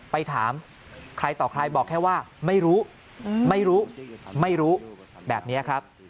ไปถามใครต่อใครบอกแค่ว่าไม่รู้ไม่รู้แบบนี้ครับ